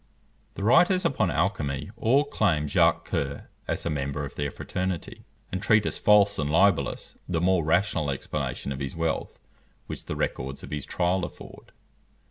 The writers upon alchymy all claim Jacques Coeur as a member of their fraternity, and treat as false and libellous the more rational explanation of his wealth which the records of his trial afford.